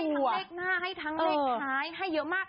ให้ทั้งเล็กหน้าให้ทั้งเล็กคล้ายให้เยอะมาก